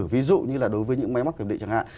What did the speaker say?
ví dụ như là đối với những máy móc kiểm định chẳng hạn